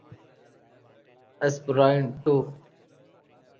Esperanto